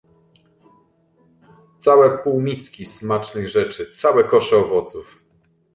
"Całe półmiski smacznych rzeczy, całe kosze owoców."